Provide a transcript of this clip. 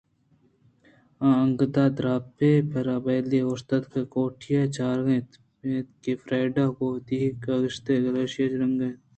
آ انگتءَ درے دپ ءَ پہ ابدالی اوشتوکءُکوٹی ءَ چارگ ءَ اِت اَنت کہ فریڈا ءَگوں وتی گشاد کاری ءَ ایشی ءِ رنگ ءُدرٛوشم بدلینتگ اَت